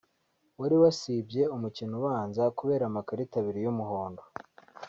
wari wasibye umukino ubanza kubera amakarita abiri y’umuhondo